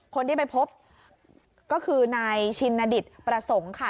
คนที่ไปพบก็คือนายชินดิตประสงค์ค่ะ